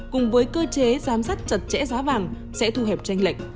cùng với cơ chế giám sát chật chẽ giá vàng sẽ thu hẹp tranh lệnh